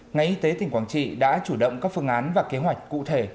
ngành y tế tỉnh quảng trị đã chủ động các phương án và kế hoạch cụ thể